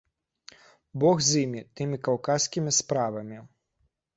Бог з імі, тымі каўказскімі справамі!